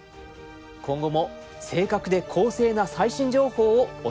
今後も正確で公正な最新情報をお届けしてまいります。